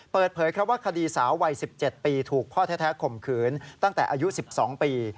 เปิดเผยครับว่าคดีสาววัย๑๗ปีถูกพ่อแท้ข่มขืนตั้งแต่อายุ๑๒ปี